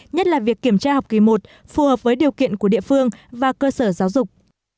nhất là việc kiểm tra học kỳ một phù hợp với điều kiện của địa phương và cơ sở giáo dục